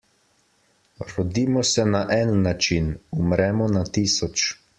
Rodimo se na en način, umremo na tisoč.